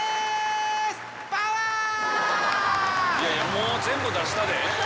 もう全部出したで。